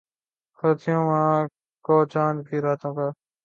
پرتھویں ماہ کو چاند کی راتوں کا منظر دیکھنا بہت خوبصورتی ہوتا ہے